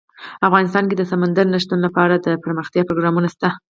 افغانستان کې د سمندر نه شتون لپاره دپرمختیا پروګرامونه شته.